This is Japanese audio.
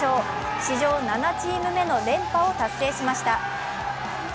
史上７チーム目の連覇を達成しました。